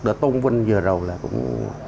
để tôn vân vừa rồi là cũng